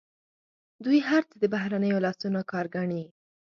دوی هر څه د بهرنیو لاسونو کار ګڼي.